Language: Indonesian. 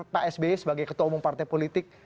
pak sby sebagai ketua umum partai politik